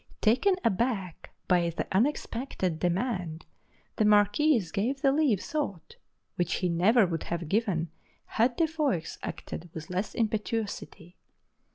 Taken aback by the unexpected demand, the marquis gave the leave sought, which he never would have given had De Foix acted with less impetuosity.